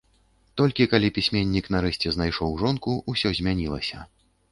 Толькі калі пісьменнік нарэшце знайшоў жонку, усё змянілася.